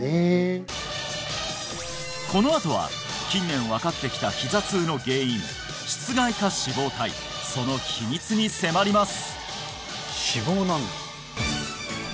このあとは近年分かってきたひざ痛の原因膝蓋下脂肪体その秘密に迫ります！